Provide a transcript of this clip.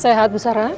sehat bu sara